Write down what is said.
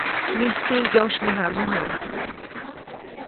Mijtsi ŋyosymäjamäja.